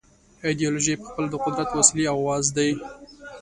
ایدیالوژۍ پخپله د قدرت وسیلې او اوزار دي.